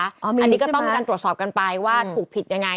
อันนี้ก็ต้องมีการตรวจสอบกันไปว่าถูกผิดยังไง